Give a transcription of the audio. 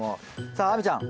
さあ亜美ちゃん